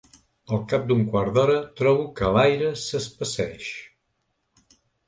Al cap d'un quart d'hora trobo que l'aire s'espesseeix.